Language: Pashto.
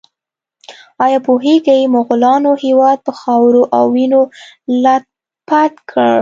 ایا پوهیږئ مغولانو هېواد په خاورو او وینو لیت پیت کړ؟